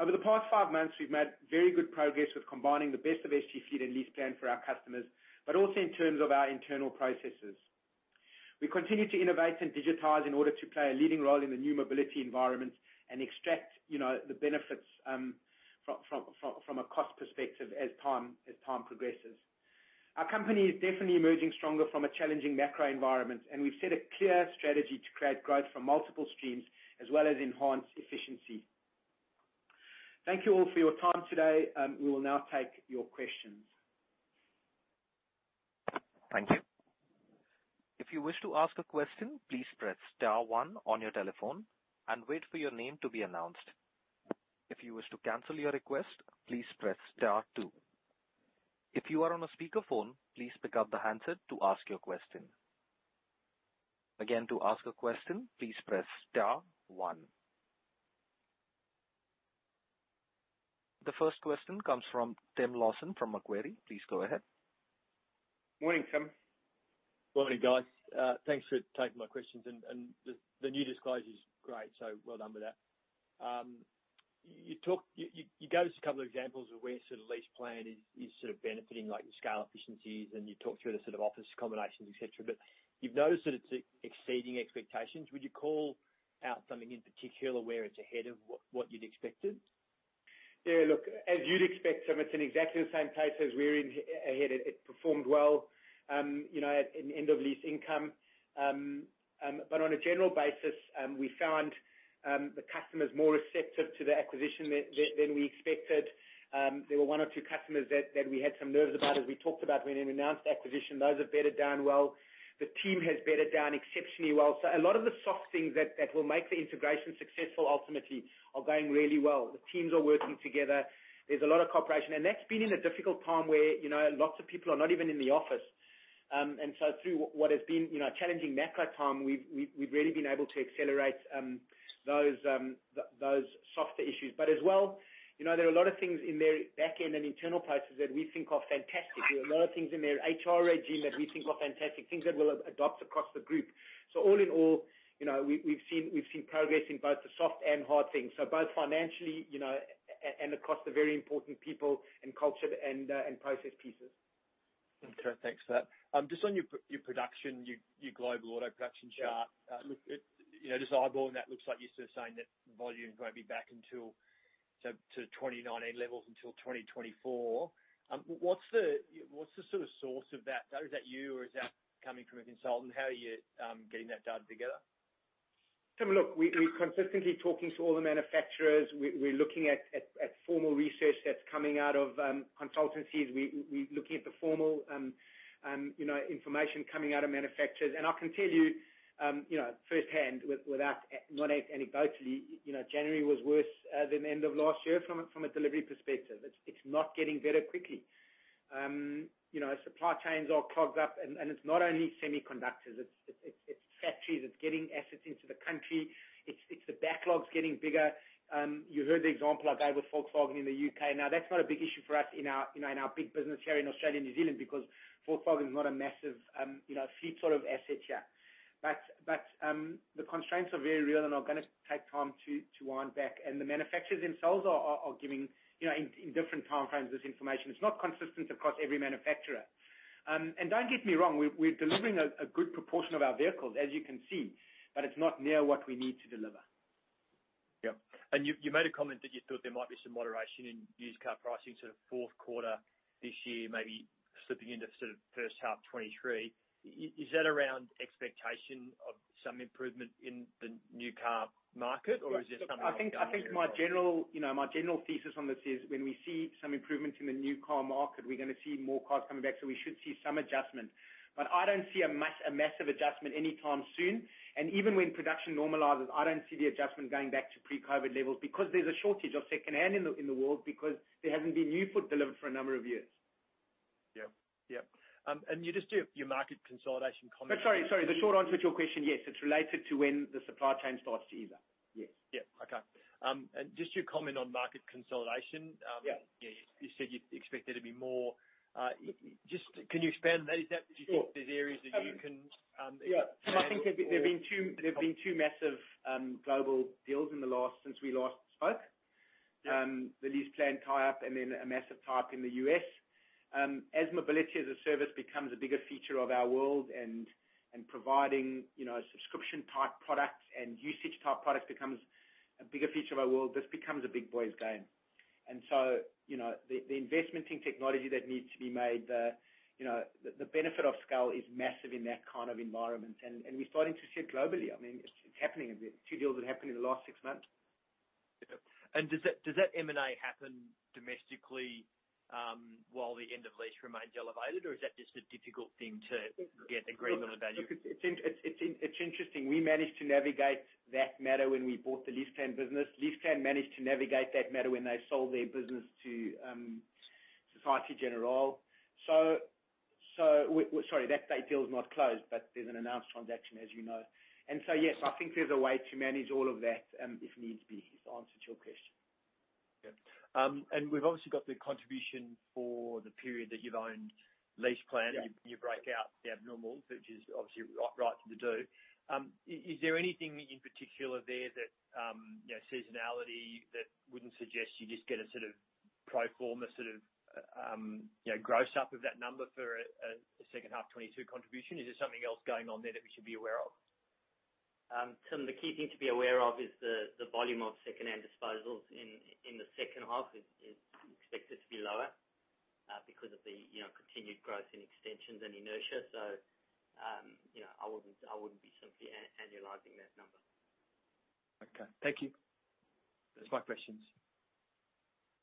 Over the past five months, we've made very good progress with combining the best of SG Fleet and LeasePlan for our customers, but also in terms of our internal processes. We continue to innovate and digitize in order to play a leading role in the new mobility environment and extract, you know, the benefits from a cost perspective as time progresses. Our company is definitely emerging stronger from a challenging macro environment, and we've set a clear strategy to create growth from multiple streams as well as enhance efficiency. Thank you all for your time today. We will now take your questions. Thank you. If you wish to ask a question, please press star one on your telephone and wait for your name to be announced. If you wish to cancel your request please press star two. If you are on speaker phone please pick up your headset to ask question. The first question comes from Tim Lawson from Macquarie. Please go ahead. Morning, Tim. Morning, guys. Thanks for taking my questions. The new disclosure is great, so well done with that. You gave us a couple examples of where sort of LeasePlan is sort of benefiting, like the scale efficiencies, and you talked through the sort of office combinations, etc. You've noticed that it's exceeding expectations. Would you call out something in particular where it's ahead of what you'd expected? Yeah, look, as you'd expect, Tim, it's in exactly the same place as we're in, ahead. It performed well in end-of-lease income. But on a general basis, we found the customers more receptive to the acquisition than we expected. There were one or two customers that we had some nerves about as we talked about when we announced the acquisition. Those have bedded down well. The team has bedded down exceptionally well. A lot of the soft things that will make the integration successful ultimately are going really well. The teams are working together. There's a lot of cooperation, and that's been in a difficult time where lots of people are not even in the office. Through what has been, you know, a challenging macro time, we've really been able to accelerate those softer issues. As well, you know, there are a lot of things in their backend and internal processes that we think are fantastic. There are a lot of things in their HR regime that we think are fantastic, things that we'll adopt across the group. All in all, you know, we've seen progress in both the soft and hard things. Both financially, you know, and across the very important people and culture and process pieces. Okay, thanks for that. Just on your production, your global auto production chart. You know, just eyeballing that looks like you're sort of saying that volume won't be back until 2019 levels until 2024. What's the sort of source of that data? Is that you, or is that coming from a consultant? How are you getting that data together? Tim, look, we're consistently talking to all the manufacturers. We're looking at formal research that's coming out of consultancies. We're looking at the formal, you know, information coming out of manufacturers. I can tell you know, firsthand without, not anecdotally, you know, January was worse than end of last year from a delivery perspective. It's not getting better quickly. You know, supply chains are clogged up, and it's not only semiconductors. It's factories, it's getting assets into the country. It's the backlogs getting bigger. You heard the example I gave with Volkswagen in the U.K. Now that's not a big issue for us in our big business here in Australia and New Zealand because Volkswagen is not a massive, you know, fleet sort of asset here. The constraints are very real and are gonna take time to wind back. The manufacturers themselves are giving, you know, in different timeframes this information. It's not consistent across every manufacturer. Don't get me wrong, we're delivering a good proportion of our vehicles, as you can see, but it's not near what we need to deliver. Yeah. You made a comment that you thought there might be some moderation in used car pricing sort of fourth quarter this year, maybe slipping into sort of first half 2023. Is that around expectation of some improvement in the new car market? I think my general thesis on this is when we see some improvements in the new car market, we're gonna see more cars coming back, so we should see some adjustment. But I don't see a massive adjustment anytime soon. Even when production normalizes, I don't see the adjustment going back to pre-COVID levels because there's a shortage of secondhand in the world because there hasn't been new fleet delivered for a number of years. Yeah. You just do your market consolidation comment. Sorry. The short answer to your question, yes, it's related to when the supply chain starts to ease up. Yes. Yeah. Okay. Just your comment on market consolidation. Yeah, you said you expect there to be more. Just can you expand that? I think there've been two massive global deals in the last since we last spoke. The LeasePlan tie-up and then a massive tie-up in the U.S. As mobility as a service becomes a bigger feature of our world and providing, you know, subscription-type products and usage-type products becomes a bigger feature of our world, this becomes a big boys game. You know, the investment in technology that needs to be made, you know, the benefit of scale is massive in that kind of environment. We're starting to see it globally. I mean, it's happening. The two deals that happened in the last six months. Yeah. Does that M&A happen domestically, while the end of lease remains elevated or is that just a difficult thing to get agreement on the value? Look, it's interesting. We managed to navigate that matter when we bought the LeasePlan business. LeasePlan managed to navigate that matter when they sold their business to ALD Automotive. Sorry, that deal is not closed, but there's an announced transaction as you know. Yes, I think there's a way to manage all of that, if needs be, if that answers your question. Yeah. We've obviously got the contribution for the period that you've owned LeasePlan. You break out the abnormals, which is obviously right to do. Is there anything in particular there that, you know, seasonality that wouldn't suggest you just get a sort of pro forma, sort of, you know, gross up of that number for a second half 2022 contribution? Is there something else going on there that we should be aware of? Tim, the key thing to be aware of is the volume of secondhand disposals in the second half is expected to be lower because of the, you know, continued growth in extensions and inertia. You know, I wouldn't be simply annualizing that number. Okay. Thank you. That's my questions.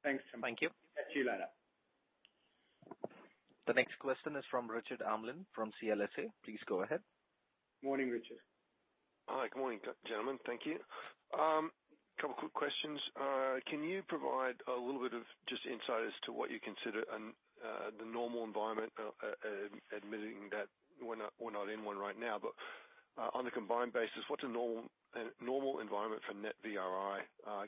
Thanks, Tim. Thank you. Catch you later. The next question is from Richard Amland from CLSA. Please go ahead. Morning, Richard. Hi. Good morning, gentlemen. Thank you. Couple quick questions. Can you provide a little bit of just insight as to what you consider the normal environment, admitting that we're not in one right now, but on a combined basis, what's a normal environment for net VRI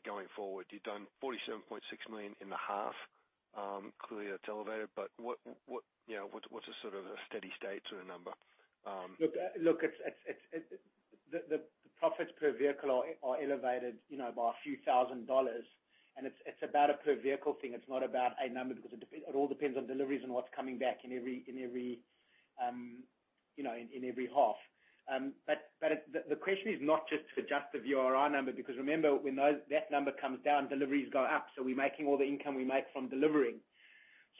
going forward? You've done 47.6 million in the half. Clearly that's elevated, but what you know, what's a sort of a steady state sort of number? Look, it's the profits per vehicle are elevated, you know, by AUD a few thousand, and it's about a per vehicle thing. It's not about a number because it all depends on deliveries and what's coming back in every half. The question is not just to adjust the VRI number because remember when that number comes down, deliveries go up. We're making all the income we make from delivering.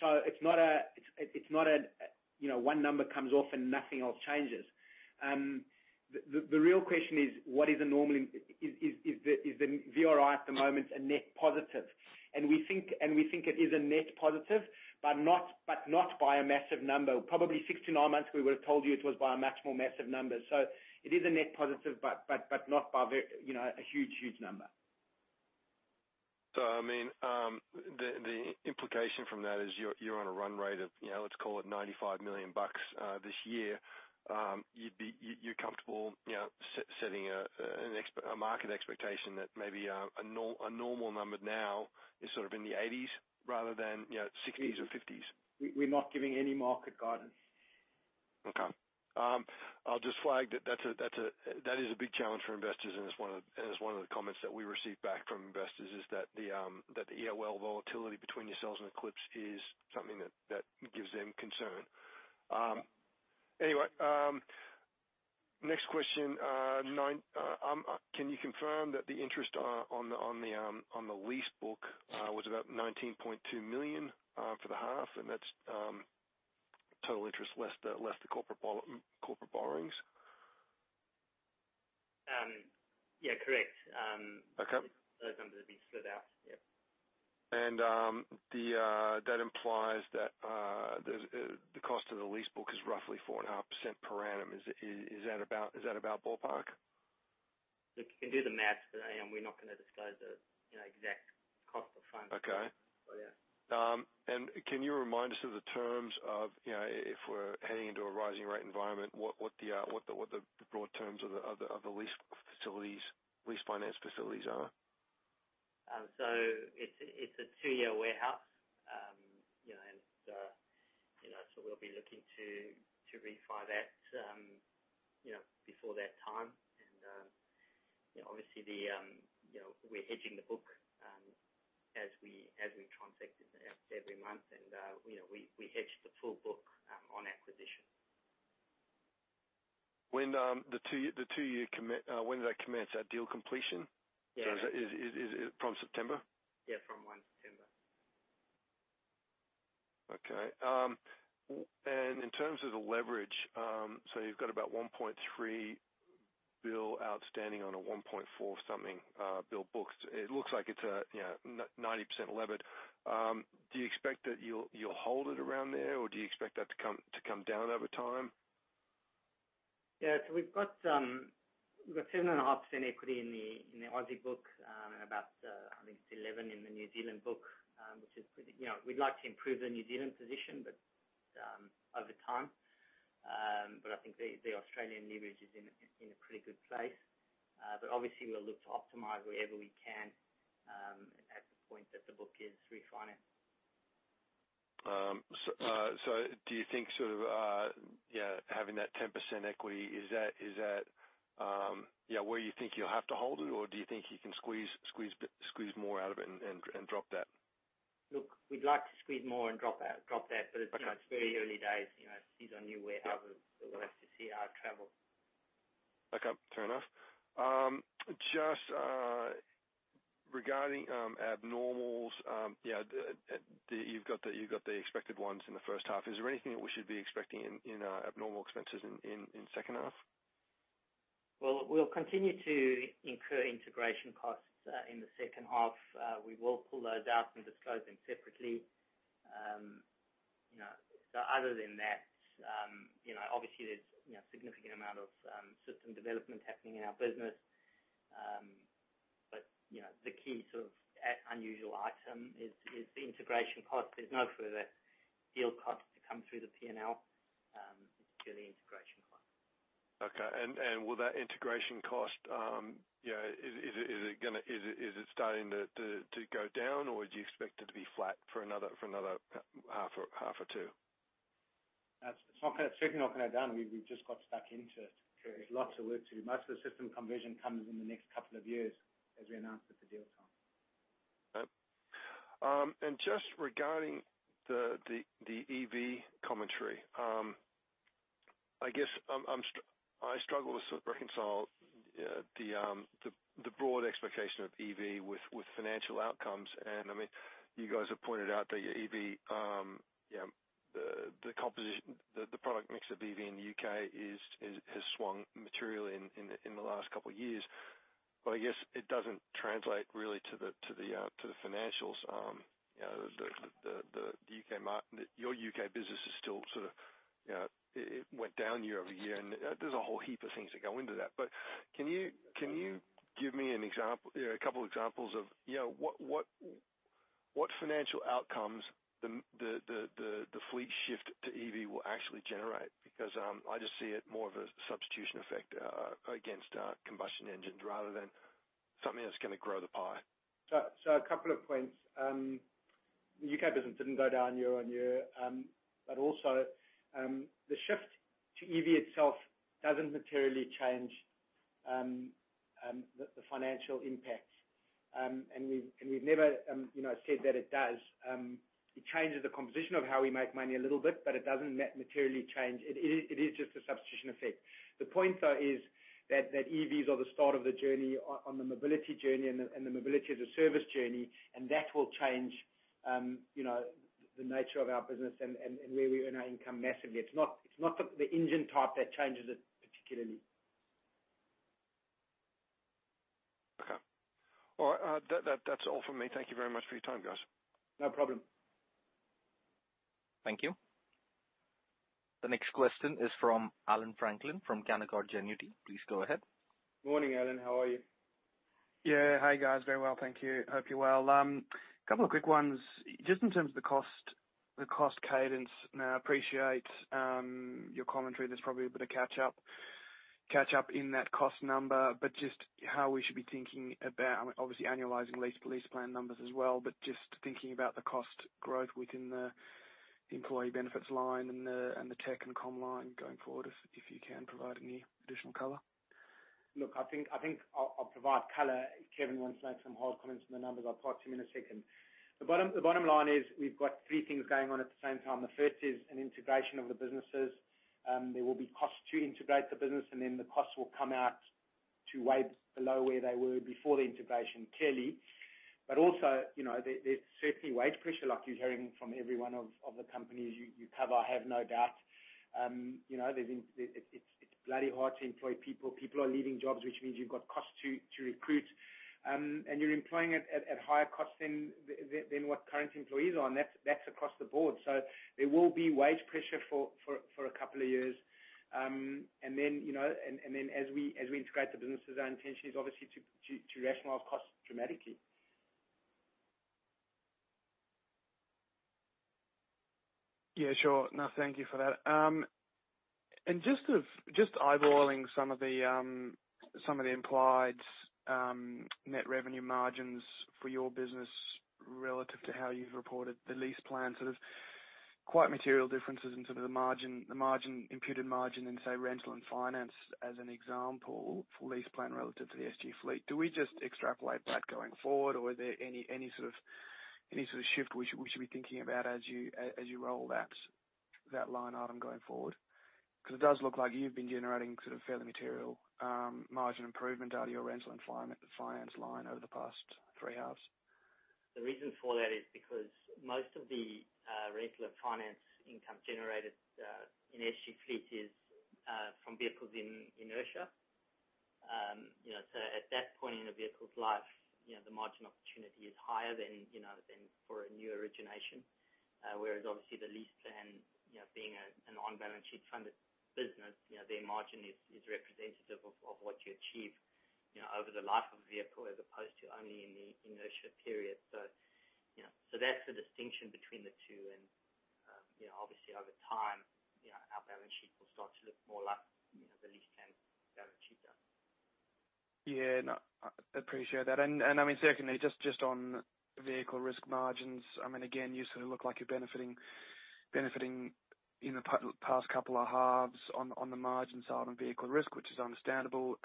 It's not a one number comes off and nothing else changes. The real question is, is the VRI at the moment a net positive? We think it is a net positive, but not by a massive number. Probably 6-9 months ago, we would have told you it was by a maximal massive number. It is a net positive, but not by, you know, a huge number. I mean, the implication from that is you're on a run rate of, you know, let's call it 95 million bucks this year. You'd be comfortable, you know, setting a market expectation that maybe a normal number now is sort of in the 80s rather than, you know, 60s or 50s. We're not giving any market guidance. Okay. I'll just flag that that is a big challenge for investors, and it's one of the comments that we receive back from investors is that the EOL volatility between yourselves and Eclipx is something that gives them concern. Anyway, next question. Nine, can you confirm that the interest on the lease book was about 19.2 million for the half, and that's total interest less the corporate borrowings? Yeah, correct. Okay. Those numbers will be split out. Yeah. That implies that the cost of the lease book is roughly 4.5% per annum. Is that about ballpark? Look, you can do the math, but we're not gonna disclose the, you know, exact cost of funds. Okay. Yeah. Can you remind us of the terms of, you know, if we're heading into a rising rate environment, what the broad terms of the lease facilities, lease finance facilities are? It's a two-year warehouse. You know, we'll be looking to refi that, you know, before that time. Obviously, you know, we're hedging the book as we transact it every month. You know, we hedged the full book on acquisition. When does that commence? At deal completion? Yeah. Is it from September? Yeah, from 1 September. Okay. In terms of the leverage, so you've got about 1.3 billion outstanding on a 1.45 billion booked. It looks like it's, you know, 90% levered. Do you expect that you'll hold it around there, or do you expect that to come down over time? We've got 7.5% equity in the Aussie book and about, I think it's 11 in the New Zealand book, which is pretty. You know, we'd like to improve the New Zealand position, but over time. I think the Australian leverage is in a pretty good place. Obviously we'll look to optimize wherever we can at the point that the book is refinanced. Do you think sort of having that 10% equity is that where you think you'll have to hold it or do you think you can squeeze bit more out of it and drop that? Look, we'd like to squeeze more and drop that. You know, it's very early days. You know, this is our new way forward, so we'll have to see how it travels. Okay, fair enough. Just regarding abnormals, yeah. You've got the expected ones in the first half. Is there anything that we should be expecting in abnormal expenses in second half? Well, we'll continue to incur integration costs in the second half. We will pull those out and disclose them separately. You know, other than that, you know, obviously there's you know, significant amount of system development happening in our business. You know, the key sort of unusual item is the integration cost. There's no further deal cost to come through the P&L, it's purely integration costs. Will that integration cost, you know, is it starting to go down or do you expect it to be flat for another half or two? It's not gonna go down. Certainly not gonna go down. We've just got stuck into it. There's lots of work to do. Most of the system conversion comes in the next couple of years as we announced at the deal time. Just regarding the EV commentary, I guess I struggle to sort of reconcile the broad expectation of EV with financial outcomes. I mean, you guys have pointed out that your EV, you know, the composition. The product mix of EV in the U.K. has swung materially in the last couple of years. I guess it doesn't translate really to the financials. You know, the U.K. market, your UK business is still sort of, you know. It went down year-over-year, and there's a whole heap of things that go into that. Can you give me an example, you know, a couple examples of, you know, what financial outcomes the fleet shift to EV will actually generate? Because I just see it more of a substitution effect against combustion engines rather than something that's gonna grow the pie? A couple of points. The U.K. business didn't go down year-on-year. The shift to EV itself doesn't materially change the financial impacts. We've never, you know, said that it does. It changes the composition of how we make money a little bit, but it doesn't materially change. It is just a substitution effect. The point though is that EVs are the start of the journey on the mobility journey and the mobility as a service journey, and that will change, you know, the nature of our business and where we earn our income massively. It's not the engine type that changes it particularly. Okay. All right. That's all from me. Thank you very much for your time, guys. No problem. Thank you. The next question is from Allan Franklin from Canaccord Genuity. Please go ahead. Morning, Allan. How are you? Yeah. Hi, guys. Very well, thank you. Hope you're well. Couple of quick ones. Just in terms of the cost cadence. Now, I appreciate your commentary. There's probably a bit of catch up in that cost number. Just how we should be thinking about annualizing LeasePlan numbers as well, but just thinking about the cost growth within the employee benefits line and the tech and comm line going forward, if you can provide any additional color. Look, I think I'll provide color. Kevin wants to make some whole comments on the numbers. I'll pass to him in a second. The bottom line is we've got three things going on at the same time. The first is an integration of the businesses. There will be costs to integrate the business, and then the costs will come out to way below where they were before the integration, clearly. There's certainly wage pressure like you're hearing from every one of the companies you cover. I have no doubt. It's bloody hard to employ people. People are leaving jobs, which means you've got costs to recruit. You're employing at higher costs than what current employees are, and that's across the board. There will be wage pressure for a couple of years. Then, you know, and then as we integrate the businesses, our intention is obviously to rationalize costs dramatically. Yeah, sure. No, thank you for that. Just eyeballing some of the implied net revenue margins for your business relative to how you've reported the LeasePlan, sort of quite material differences in sort of the margin, imputed margin in, say, rental and finance as an example for LeasePlan relative to the SG Fleet. Do we just extrapolate that going forward or are there any sort of shift we should be thinking about as you roll that line item going forward? 'Cause it does look like you've been generating sort of fairly material margin improvement out of your rental and finance line over the past three halves. The reason for that is because most of the regular finance income generated in SG Fleet is from vehicles in inertia. You know, so at that point in a vehicle's life, you know, the margin opportunity is higher than, you know, than for a new origination. Whereas obviously the LeasePlan, you know, being an on-balance sheet funded business, you know, their margin is representative of what you achieve, you know, over the life of a vehicle as opposed to only in the inertia period. So, you know, so that's the distinction between the two. You know, obviously over time, you know, our balance sheet will start to look more like Yeah, no, I appreciate that. I mean, secondly, just on vehicle risk margins, I mean, again, you sort of look like you're benefiting in the past couple of halves on the margin side on vehicle risk, which is understandable.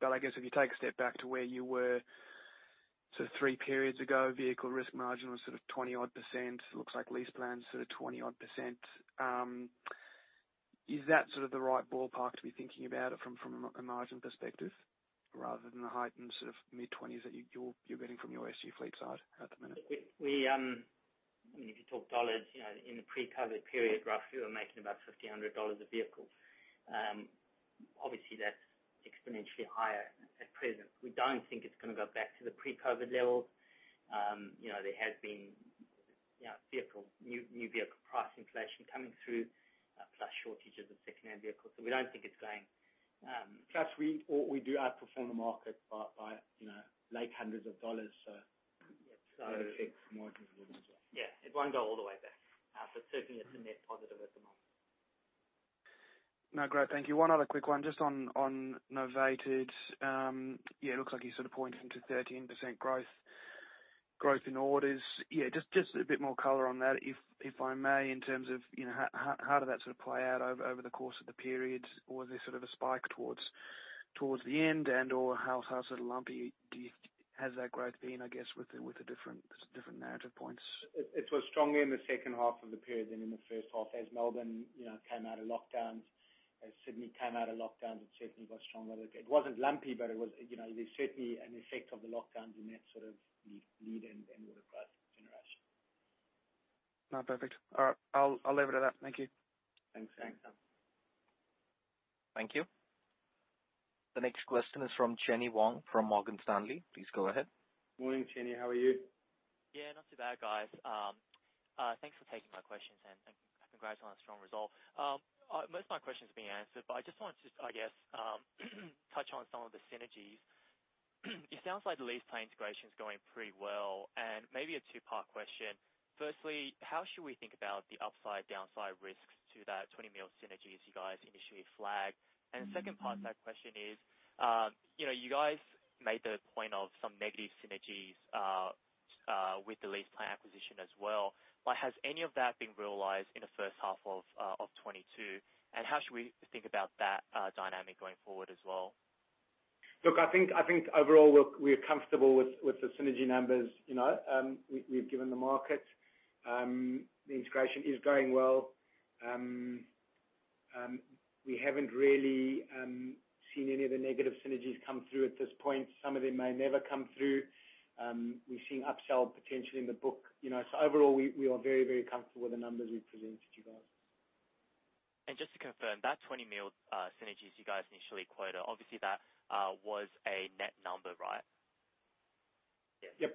But I guess if you take a step back to where you were sort of 3 periods ago, vehicle risk margin was sort of 20-odd%. Looks like LeasePlan's sort of 20-odd%. Is that sort of the right ballpark to be thinking about it from a margin perspective rather than the heightened sort of mid-20s that you're getting from your SG Fleet side at the minute? I mean, if you talk dollars, you know, in the pre-COVID period, roughly we were making about 500 dollars a vehicle. Obviously that's exponentially higher at present. We don't think it's gonna go back to the pre-COVID levels. You know, there has been new vehicle price inflation coming through, plus shortages of secondhand vehicles. We don't think it's going. Plus, we do outperform the market by, you know, like hundreds of AUD, so. It affects margins as well. Yeah. It won't go all the way back. So certainly it's a net positive at the moment. No, great. Thank you. One other quick one just on Novated. Yeah, it looks like you're sort of pointing to 13% growth in orders. Yeah, just a bit more color on that, if I may, in terms of, you know, how did that sort of play out over the course of the period? Or was there sort of a spike towards the end and/or how sort of lumpy has that growth been, I guess, with the different narrative points? It was stronger in the second half of the period than in the first half as Melbourne, you know, came out of lockdowns, as Sydney came out of lockdowns. It certainly got stronger. It wasn't lumpy, but it was, you know, there's certainly an effect of the lockdowns in that sort of lead and order price generation. No, perfect. All right. I'll leave it at that. Thank you. Thanks, Allan. Thank you. The next question is from Chenny Wang from Morgan Stanley. Please go ahead. Morning, Chenny. How are you? Yeah, not too bad, guys. Thanks for taking my questions, and congrats on a strong result. Most of my questions are being answered, but I just wanted to, I guess, touch on some of the synergies. It sounds like the LeasePlan integration is going pretty well, and maybe a two-part question. Firstly, how should we think about the upside/downside risks to that 20 million synergies you guys initially flagged? The second part of that question is, you know, you guys made the point of some negative synergies with the LeasePlan acquisition as well. Has any of that been realized in the first half of 2022? How should we think about that dynamic going forward as well? Look, I think overall, look, we're comfortable with the synergy numbers, you know, we've given the market. The integration is going well. We haven't really seen any of the negative synergies come through at this point. Some of them may never come through. We've seen upsell potentially in the book. You know, so overall we are very comfortable with the numbers we've presented you guys. Just to confirm, that 20 million synergies you guys initially quoted, obviously that was a net number, right? Yes.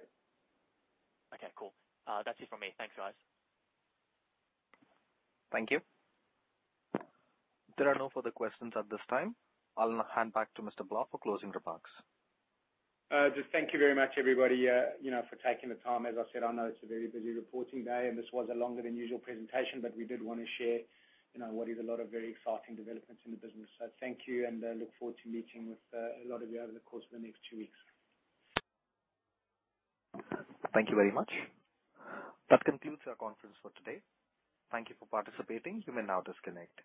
Okay, cool. That's it from me. Thanks, guys. Thank you. There are no further questions at this time. I'll now hand back to Mr. Bloch for closing remarks. Just thank you very much, everybody, you know, for taking the time. As I said, I know it's a very busy reporting day, and this was a longer than usual presentation. But we did wanna share, you know, what is a lot of very exciting developments in the business. Thank you, and I look forward to meeting with a lot of you over the course of the next two weeks. Thank you very much. That concludes our conference for today. Thank you for participating. You may now disconnect.